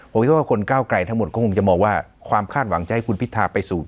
ผมคิดว่าคนก้าวไกลทั้งหมดก็คงจะมองว่าความคาดหวังจะให้คุณพิทาไปสู่